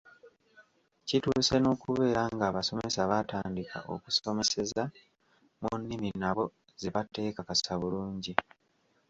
Kituuse n’okubeera ng’abasomesa baatandika okusomeseza mu nnimi nabo ze bateekakasa bulungi.